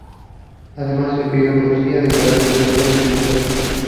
Además, escribió poesía de carácter social y filosófico.